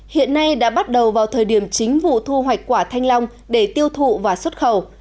hiện nay đã bắt đầu vào thời điểm chính vụ thu hoạch quả thanh long để tiêu thụ và xuất khẩu